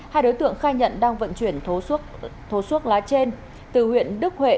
hai đối tượng khai nhận đang vận chuyển thố suốt lá trên từ huyện đức huệ